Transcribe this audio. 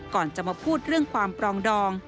ก่อนจะมาพูดเรื่องความปรองดอง